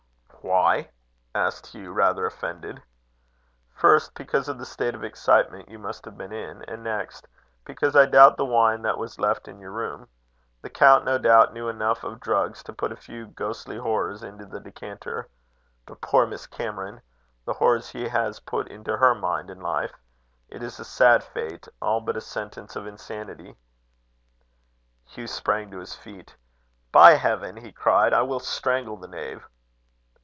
"Why?" asked Hugh, rather offended. "First, because of the state of excitement you must have been in; and next, because I doubt the wine that was left in your room. The count no doubt knew enough of drugs to put a few ghostly horrors into the decanter. But poor Miss Cameron! The horrors he has put into her mind and life! It is a sad fate all but a sentence of insanity." Hugh sprang to his feet. "By heaven!" he cried, "I will strangle the knave."